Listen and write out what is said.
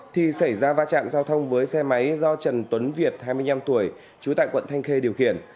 thì xảy ra va chạm giao thông với xe máy do trần tuấn việt hai mươi năm tuổi trú tại quận thanh khê điều khiển